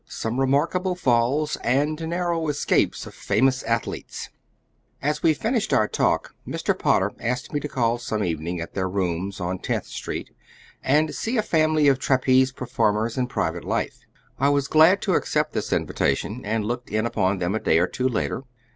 IV SOME REMARKABLE FALLS AND NARROW ESCAPES OF FAMOUS ATHLETES AS we finished our talk, Mr. Potter asked me to call some evening at their rooms, on Tenth Street, and see a family of trapeze performers in private life. I was glad to accept this invitation, and looked in upon them a day or two later.